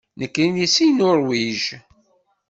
Nekkini seg Nuṛwij.